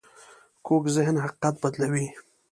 کوږ ذهن حقیقت بدلوي